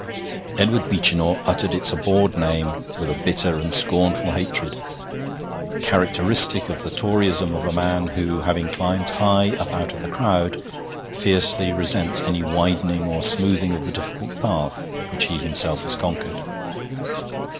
Edward Beechinor uttered its abhorred name with a bitter and scornful hatred characteristic of the Toryism of a man who, having climbed high up out of the crowd, fiercely resents any widening or smoothing of the difficult path which he himself has conquered.